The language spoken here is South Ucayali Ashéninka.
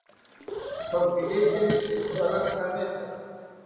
Tsonkiriteri ishikorotsi kametha